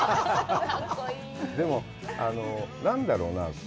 でも、何だろうな。